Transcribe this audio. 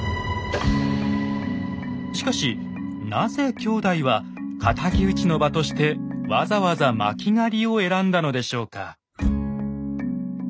しかしなぜ兄弟は敵討ちの場としてわざわざ巻狩を選んだのでしょうか？